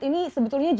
ini sebetulnya apa